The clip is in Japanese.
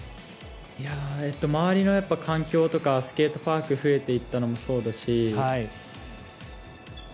周りの環境とかスケートパークが増えていったのもそうだし。